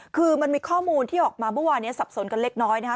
คือมันมีข้อมูลที่ออกมาเมื่อวานนี้สับสนกันเล็กน้อยนะคะ